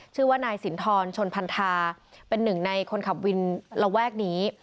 ชื่อว่านายสินทรชนพันธาเป็นหนึ่งในคนขับวินระแวกนี้